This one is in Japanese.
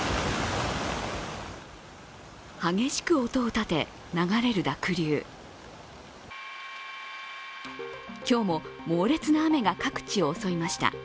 激しく音を立て、流れる濁流。今日も猛烈な雨が各地を襲いました。